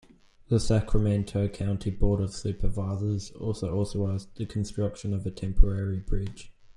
The Sacramento County Board of Supervisors also authorized the construction of a temporary bridge.